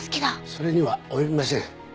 それには及びません。